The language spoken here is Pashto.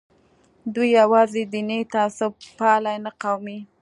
دوی یوازې دیني تعصب پالي نه قومي.